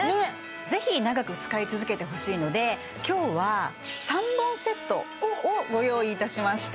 ぜひ長く使い続けてほしいので今日は３本セットをご用意いたしました